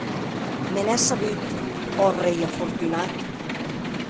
Me n’è sabut, ò rei afortunat!